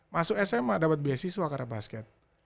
masuk sma dapat beasiswa karena basket